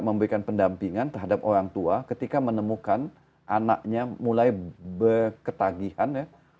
memberikan pendampingan terhadap orang tua ketika menemukan anaknya mulai berketagihan ya